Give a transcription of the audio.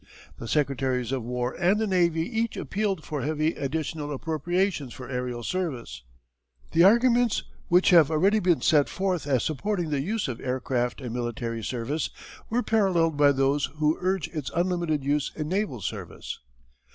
The Secretaries of War and the Navy each appealed for heavy additional appropriations for aërial service. The arguments which have already been set forth as supporting the use of aircraft in military service were paralleled by those who urge its unlimited use in naval service.